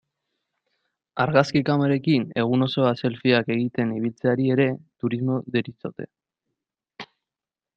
Argazki kamerekin egun osoa selfieak egiten ibiltzeari ere turismo deritzote.